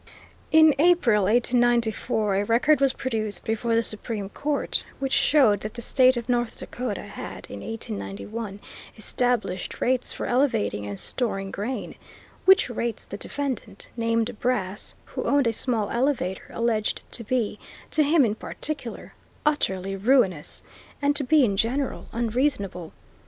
In April, 1894, a record was produced before the Supreme Court which showed that the State of North Dakota had in 1891 established rates for elevating and storing grain, which rates the defendant, named Brass, who owned a small elevator, alleged to be, to him in particular, utterly ruinous, and to be in general unreasonable.